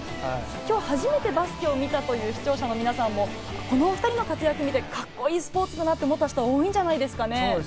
今日初めてバスケを見たという視聴者の皆さんもこの２人の活躍を見てカッコいいスポーツだなと思った人、多いんじゃないですかね。